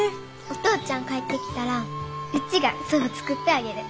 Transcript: お父ちゃん帰ってきたらうちがそば作ってあげる！